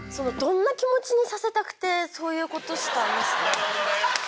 なるほどね！